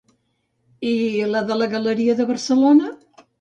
I la de la galeria de Barcelona?